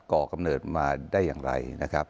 ก่อกำเนิดมาได้อย่างไร